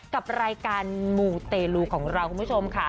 กับรายการมูเตลูของเราคุณผู้ชมค่ะ